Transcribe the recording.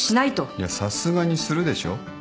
いやさすがにするでしょ。